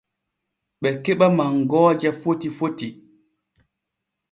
Ɓe keɓa mangooje foti foti.